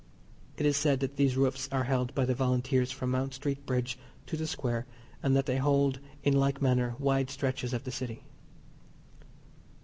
It is said that these roofs are held by the Volunteers from Mount Street Bridge to the Square, and that they hold in like manner wide stretches of the City.